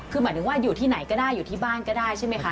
คือหมายถึงว่าอยู่ที่ไหนก็ได้อยู่ที่บ้านก็ได้ใช่ไหมคะ